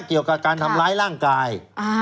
เกี่ยวกับการทำร้ายร่างกาย